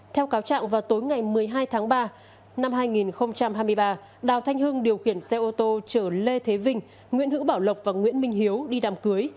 theo cáo trạng vào tối ngày một mươi hai tháng ba năm hai nghìn hai mươi ba đào thanh hưng điều khiển xe ô tô chở lê thế vinh nguyễn hữu bảo lộc và nguyễn minh hiếu đi đàm cưới